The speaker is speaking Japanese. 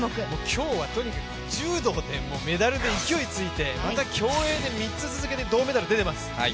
今日はとにかく柔道で勢いついて、また競泳で３つ続けて銅メダル出てます。